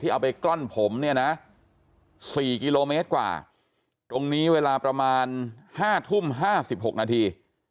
ที่เอาไปกล้อนผมเนี่ยนะสี่กิโลเมตรกว่าตรงนี้เวลาประมาณห้าทุ่มห้าสิบหกนาที